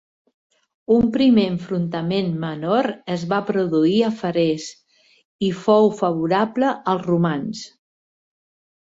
Un primer enfrontament menor es va produir a Feres, i fou favorable als romans.